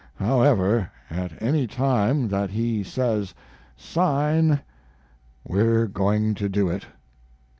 However, at any time that he says sign we're going to do it.